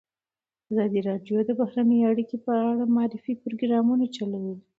ازادي راډیو د بهرنۍ اړیکې په اړه د معارفې پروګرامونه چلولي.